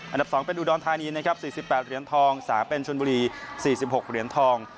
อันดับ๒เป็นอุดรธานีนะครับ๔๘เหรียญทองสาเป็นชนบุรี๔๖เหรียญทอง